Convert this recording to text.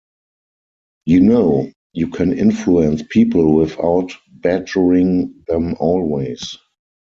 You know, you can influence people without badgering them always.